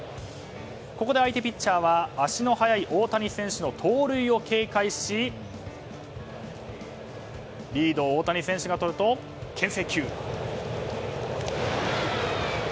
ここで相手ピッチャーは足の速い大谷選手の盗塁を警戒し、リードを大谷選手がとると牽制球。